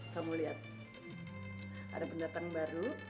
kamu lihat ada pendatang baru